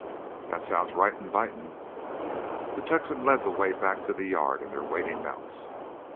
"That sounds right invitin'." The Texan led the way back to the yard and their waiting mounts.